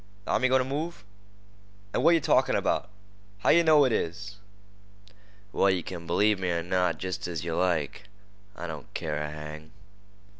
"Th'army's goin' t' move." "Ah, what yeh talkin' about? How yeh know it is?" "Well, yeh kin b'lieve me er not, jest as yeh like. I don't care a hang."